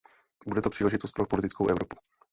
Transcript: Bude to příležitost pro politickou Evropu.